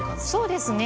そうですね。